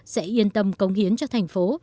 sẽ yên tâm công hiến cho thành phố